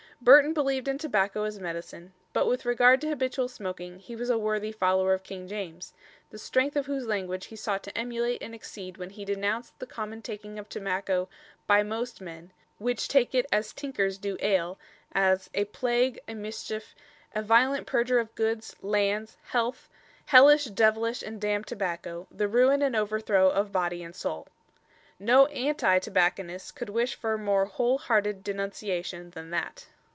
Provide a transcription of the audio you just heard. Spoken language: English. Burton believed in tobacco as medicine; but with regard to habitual smoking he was a worthy follower of King James, the strength of whose language he sought to emulate and exceed when he denounced the common taking of tobacco "by most men, which take it as tinkers do ale" as "a plague, a mischief, a violent purger of goods, lands, health, hellish, devilish, and damned tobacco, the ruin and overthrow of body and soul." No anti tobacconist could wish for a more whole hearted denunciation than that.